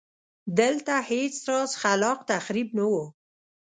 دلته هېڅ راز خلاق تخریب نه و.